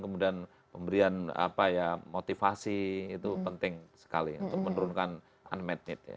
kemudian pemberian motivasi itu penting sekali untuk menurunkan unmet need ya